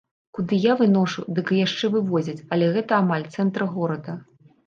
Куды я выношу, дык яшчэ вывозяць, але гэта амаль цэнтр горада.